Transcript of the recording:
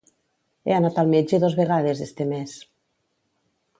He anat al metge dos vegades este mes.